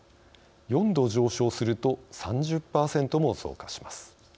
４度上昇すると３０％も増加します。